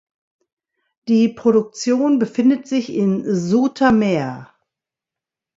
Die Produktion befindet sich in Zoetermeer.